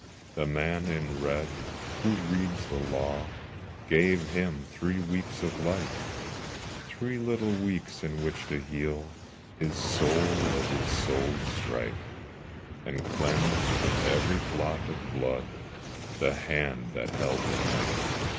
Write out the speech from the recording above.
The man in red who reads the Law Gave him three weeks of life, Three little weeks in which to heal His soul of his soul's strife, And cleanse from every blot of blood The hand that held the knife.